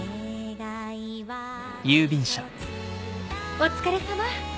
お疲れさま。